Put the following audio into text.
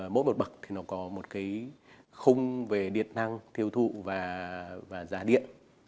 mỗi một bậc có một khung về điện năng tiêu thụ và giá điện